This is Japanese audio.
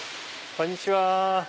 こんにちは！